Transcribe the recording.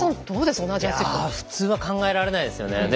どうですか普通は考えられないですよね。